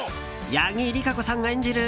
八木莉可子さん演じる